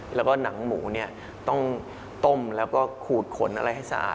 แล้วก็หนังหมูเนี่ยต้องต้มแล้วก็ขูดขนอะไรให้สะอาด